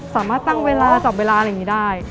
สามารถตั้งเวลาจับเวลาอะไรอย่างนี้ได้